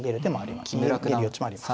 逃げる余地もあります。